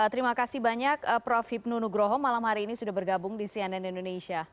terima kasih banyak prof hipnu nugroho malam hari ini sudah bergabung di cnn indonesia